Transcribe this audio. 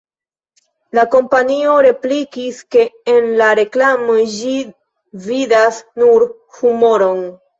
La kompanio replikis, ke en la reklamo ĝi vidas nur humuron.